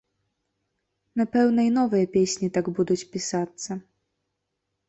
Напэўна, і новыя песні так будуць пісацца.